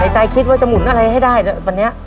ใจคิดว่าจะหมุนอะไรให้ได้วันนี้